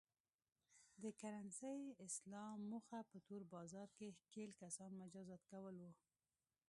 د کرنسۍ اصلاح موخه په تور بازار کې ښکېل کسان مجازات کول و.